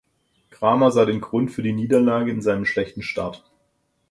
Kramer sah den Grund für die Niederlage in seinem schlechten Start.